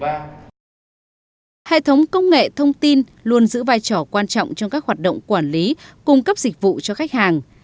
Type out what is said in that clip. hệ thống công nghệ thông tin luôn giữ vai trò quan trọng trong các hoạt động quản lý cung cấp dịch vụ cho khách hàng